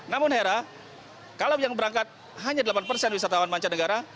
namun hera kalau yang berangkat hanya delapan persen wisatawan mancanegara